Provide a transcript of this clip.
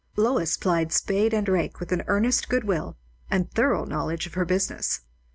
Lois plied spade and rake with an earnest good will, and thorough knowledge of her business.